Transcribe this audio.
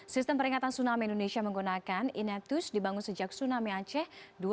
sistem peringatan tsunami indonesia menggunakan inetus dibangun sejak tsunami aceh dua ribu empat